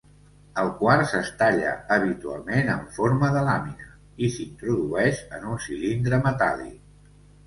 El quars es talla habitualment en forma de làmina i s'introdueix en un cilindre metàl·lic.